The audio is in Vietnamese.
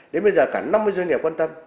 đến bây giờ cả năm mươi doanh nghiệp quan tâm